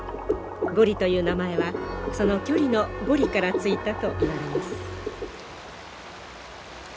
ゴリという名前はその距離の「５里」から付いたといわれます。